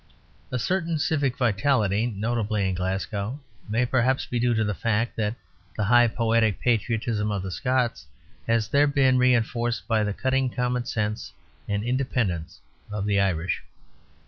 A certain civic vitality notable in Glasgow may, perhaps, be due to the fact that the high poetic patriotism of the Scots has there been reinforced by the cutting common sense and independence of the Irish.